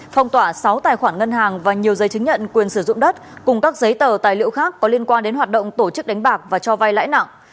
phong tỏa sáu tài khoản ngân hàng và nhiều giấy chứng nhận quyền sử dụng đất cùng các giấy tờ tài liệu khác có liên quan đến hoạt động tổ chức đánh bạc và cho vay lãi nặng